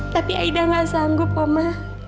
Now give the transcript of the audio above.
tapi aida gak sanggup oma